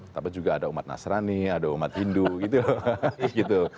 tapi juga ada umat nasrani ada umat hindu gitu loh